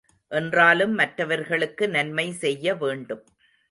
என்றாலும், மற்றவர்களுக்கு நன்மை செய்ய வேண்டும்.